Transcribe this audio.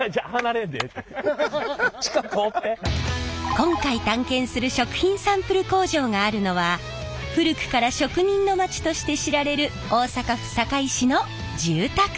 今回探検する食品サンプル工場があるのは古くから職人の町として知られる大阪府堺市の住宅街。